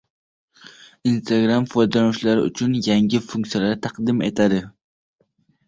Instagram foydalanuvchilari uchun yangi funksiya taqdim etadi